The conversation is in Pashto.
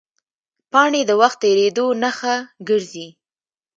پاڼې د وخت تېرېدو نښه ګرځي